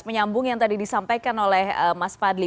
menyambung yang tadi disampaikan oleh mas fadli